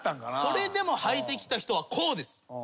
それでもはいてきた人はこうです。